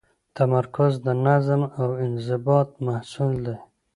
تمرکز د نظم او انضباط محصول دی.